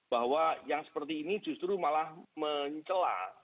bahwa yang seperti ini justru malah mencelah